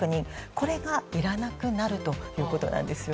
これがいらなくなるということです。